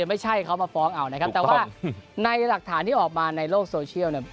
ไม่ใช่เขามาฟ้องเอานะครับแต่ว่าในหลักฐานที่ออกมาในโลกโซเชียลเนี่ย